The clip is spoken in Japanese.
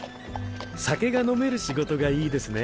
酒が飲める仕事がいいですね。